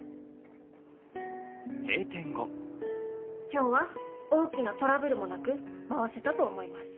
今日は大きなトラブルもなく回せたと思います。